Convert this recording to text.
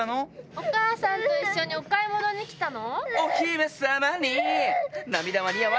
お母さんと一緒にお買い物に来たの？